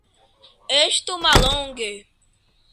Estu mallonge.